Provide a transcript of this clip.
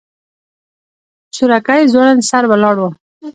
سورکی ځوړند سر ولاړ و.